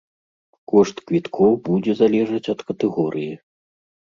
Кошт квіткоў будзе залежаць ад катэгорыі.